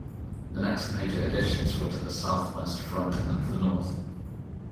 The next major additions were to the south-west front and the north.